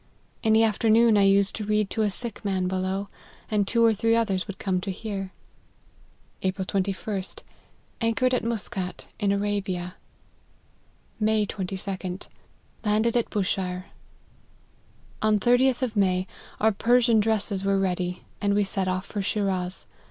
In the afternoon I used to read to a sick man below, and two or three othf rs would come to hear." " April 2\. Anchored at Muscat, in Arabia " May 22. Landed at Bushire." " On 30th of May, our Persian dresses were ready, and we set out for Shiraz.